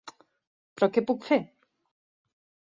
Però què puc fer?